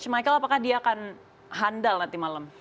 michael apakah dia akan handal nanti malam